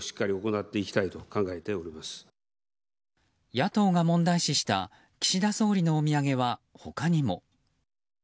野党が問題視した岸田総理のお土産は他にも。